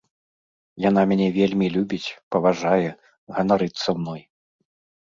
Яна мяне вельмі любіць, паважае, ганарыцца мной.